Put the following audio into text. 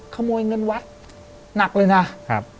ขโมยเงินไว้หนักเลยนะ